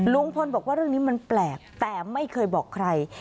ลุงพลบอกว่าเรื่องนี้มันแปลกแต่ไม่เคยบอกใคร